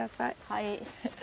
はい。